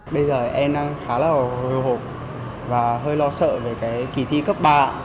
bây giờ em đang khá là hư hụt và hơi lo sợ về kỷ thi cấp ba